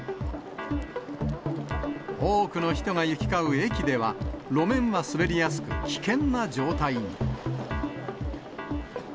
多くの人が行き交う駅では、路面は滑りやすく危険な状態に。